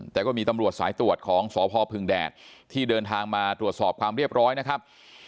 แต่ก็มีตำรวจสายตรวจของสพพึงแดดที่เดินทางมาตรวจสอบความเรียบร้อยนะครับ